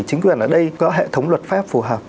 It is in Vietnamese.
chính quyền ở đây có hệ thống luật pháp phù hợp